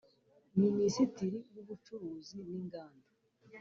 Minisitiri w ubucuruzi n inganda